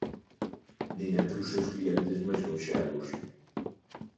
Nin entre os seus clientes máis lonxevos.